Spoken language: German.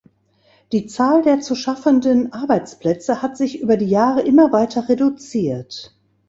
Die Zahl der zu schaffenden Arbeitsplätze hat sich über die Jahre immer weiter reduziert.